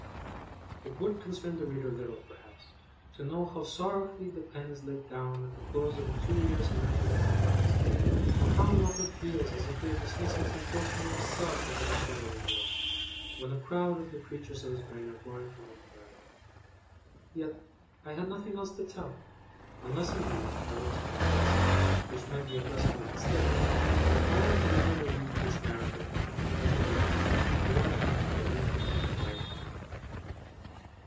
It would concern the reader little, perhaps, to know how sorrowfully the pen is laid down at the close of a two years' imaginative task; or how an Author feels as if he were dismissing some portion of himself into the shadowy world, when a crowd of the creatures of his brain are going from him for ever. Yet, I had nothing else to tell; unless, indeed, I were to confess (which might be of less moment still), that no one can ever believe this Narrative, in the reading, more than I believed it in the writing.